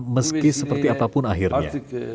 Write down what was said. meski seperti apapun akhirnya